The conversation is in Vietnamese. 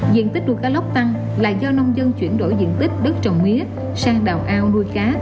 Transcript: diện tích nuôi cá lóc tăng là do nông dân chuyển đổi diện tích đất trồng mía sang đào ao nuôi cá